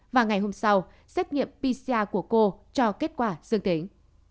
và ngày hôm sau xét nghiệm pcr của cô cho kết quả dương tính